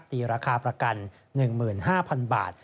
ตีราคาประกัน๑๕๐๐๐บาท